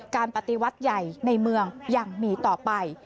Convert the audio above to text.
ปฏิวัติใหญ่ในเมืองยังมีต่อไป